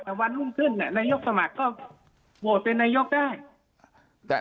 ถ้าลุ่มขึ้นนายกสมัครก็โหดเป็นนายกได้